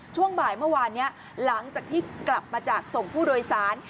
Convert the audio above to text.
ช่วงบ่ายเมื่อวานนี้หลังจากที่กลับมาจากส่งผู้โดยสาร